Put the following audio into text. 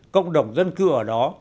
cộng đồng dân cư ở đó